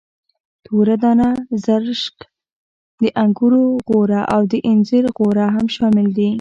توره دانه، زرشک، د انګورو غوره او د انځرو غوره هم شامل دي.